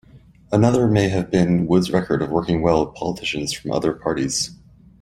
Another may have been Wood's record of working well with politicians from other parties.